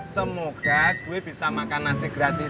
semoga gue bisa makan nasi gratisan terus